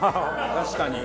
確かに。